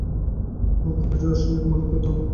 উহা গভীর দার্শনিক চিন্তা এবং মনোজ্ঞ ধর্মভাবের ব্যঞ্জক।